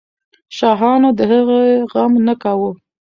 شاهانو د هغې غم نه کاوه.